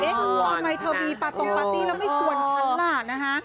เอ๊ะทำไมเธอมีปาร์ตี้แล้วไม่ชวนฉันล่ะ